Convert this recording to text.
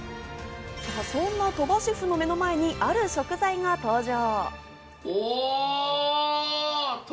そんな鳥羽シェフの目の前にある食材が登場。